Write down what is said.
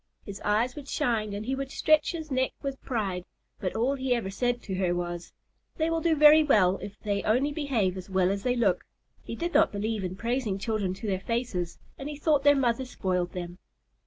His eyes would shine and he would stretch his neck with pride, but all he ever said to her was, "They will do very well if they only behave as well as they look." He did not believe in praising children to their faces, and he thought their mother spoiled them.